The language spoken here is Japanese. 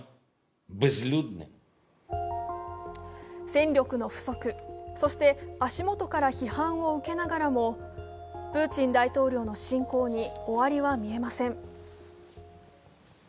戦力の不足、そして足元から批判を受けながらもプーチン大統領の侵攻に終わりは見えません。